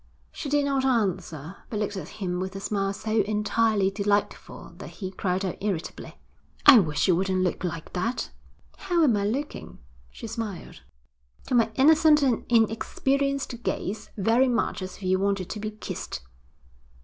She did not answer, but looked at him with a smile so entirely delightful that he cried out irritably: 'I wish you wouldn't look like that.' 'How am I looking?' she smiled. 'To my innocent and inexperienced gaze very much as if you wanted to be kissed.'